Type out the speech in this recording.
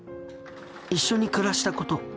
一緒に暮らしたこと。